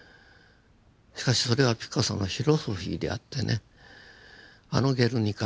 しかしそれはピカソのフィロソフィーであってねあの「ゲルニカ」